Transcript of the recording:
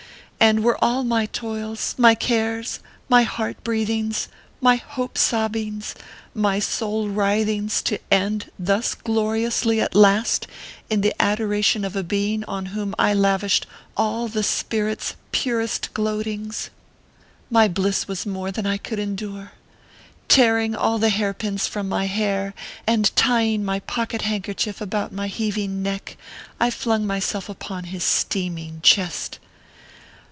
And were all my toils, my cares, my heart breathings, my hope sobbings, my soul writhings to end thus glori ously at last in the adoration of a being on whom I lavished all the spirit s purest gloatings ? My bliss was more than I could endure. Tearing all the hair pins from my hair and tying my pocket handkerchief about my heaving neck, I flung myself upon his steaming chest.